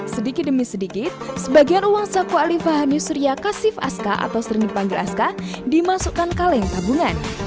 sedikit demi sedikit sebagian uang saku alifahan yusria kasif aska atau sering dipanggil aska dimasukkan kaleng tabungan